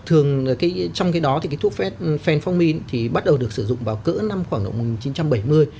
thường trong cái đó thì cái thuốc phenformin thì bắt đầu được sử dụng vào cỡ năm khoảng năm một nghìn chín trăm bảy mươi